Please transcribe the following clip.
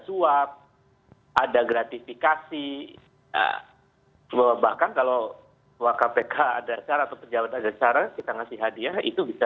uap ada gratifikasi bahkan kalau wakaf pk ada cara pejabat ada cara kita ngasih hadiah itu bisa